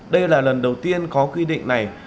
đây là lần đầu tiên có quy định này